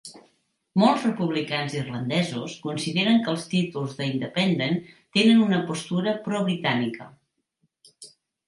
Molts republicans irlandesos consideren que els títols de "Independent" tenen una postura pro-britànica.